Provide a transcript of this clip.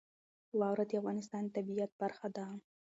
واوره د افغانستان د طبیعت برخه ده.